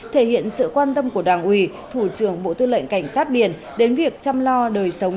thể hiện sự quan tâm của đảng ủy thủ trưởng bộ tư lệnh cảnh sát biển đến việc chăm lo đời sống